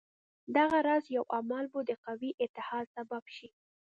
دغه راز یو عمل به د قوي اتحاد سبب شي.